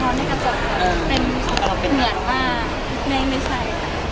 ต้องกลัวแบบนี้ใช่